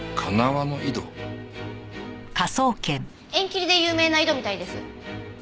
縁切りで有名な井戸みたいです。